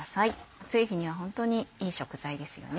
暑い日にはホントにいい食材ですよね。